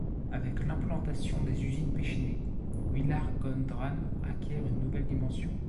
Avec l'implantation des usines Pechiney, Villargondran acquiert une nouvelle dimension.